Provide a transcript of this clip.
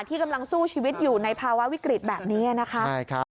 ที่กำลังสู้ชีวิตอยู่ในภาวะวิกฤตแบบนี้นะคะ